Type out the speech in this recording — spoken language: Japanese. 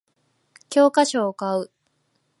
教科書を買う